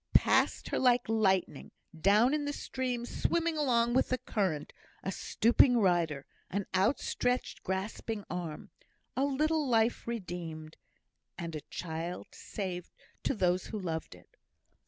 Past her like lightning down in the stream, swimming along with the current a stooping rider an outstretched, grasping arm a little life redeemed, and a child saved to those who loved it!